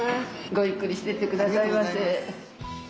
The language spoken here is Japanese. ごゆっくりしていってくださいませ。